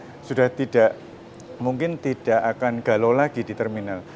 karena apa dia sudah tidak mungkin tidak akan galau lagi di terminal